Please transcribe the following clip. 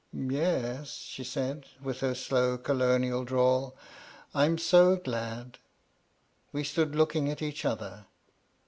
"Y e s," she said, with her slow Colonial drawl; "I'm so glad." We stood looking at each other.